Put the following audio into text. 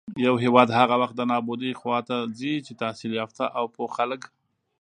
يـو هېـواد هـغه وخـت د نـابـودۍ خـواتـه ځـي چـې تحـصيل يافتـه او پـوه خلـک